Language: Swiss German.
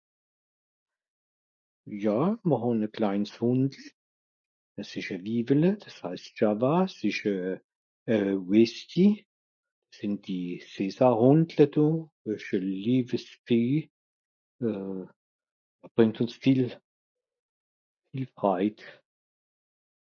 jà mr hàn à klains Hùndel à s'esch à vivele das haisst Java s'esch euh euh Westie sìn die (césar) Hùndle do esch à lieves Fee euh a brìngt ùns viel viel Frait